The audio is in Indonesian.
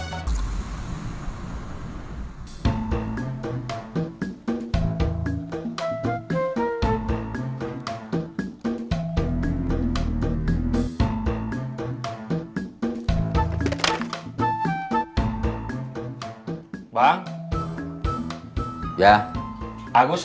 main dulu yuk